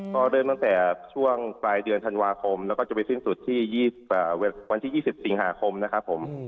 ก็เริ่มตั้งแต่ช่วงปลายเดือนธันวาคมแล้วก็จะไปสิ้นสุดที่วันที่๒๐สิงหาคมนะครับผม